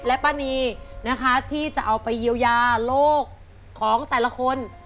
และป้านีนะคะที่จะเอาไปเยียวยาโลกของแต่ละคน